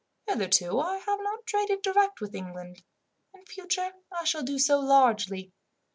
Hitherto I have not traded direct with England; in future I shall do so largely.